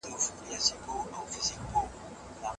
انسان به د مځکي پر مخ د خدای قانون پلی کړي.